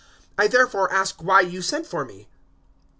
I therefore ask why you sent for me."